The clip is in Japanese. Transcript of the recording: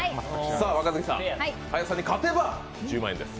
若槻さん林さんに勝てば１０万円です。